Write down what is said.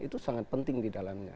itu sangat penting di dalamnya